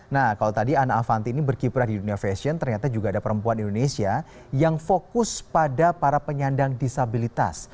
nah kalau tadi ana avanti ini berkiprah di dunia fashion ternyata juga ada perempuan indonesia yang fokus pada para penyandang disabilitas